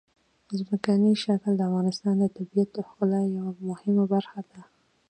ځمکنی شکل د افغانستان د طبیعت د ښکلا یوه مهمه برخه ده.